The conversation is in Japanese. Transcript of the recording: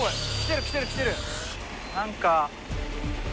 何か。